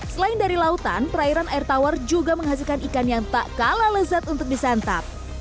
selain dari lautan perairan air tawar juga menghasilkan ikan yang tak kalah lezat untuk disantap